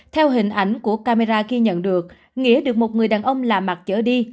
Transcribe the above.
theo hình ảnh của camera ghi nhận được nghĩa được một người đàn ông lạ mặt chở đi